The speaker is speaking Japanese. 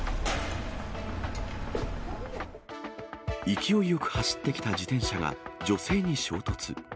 勢いよく走ってきた自転車が、女性に衝突。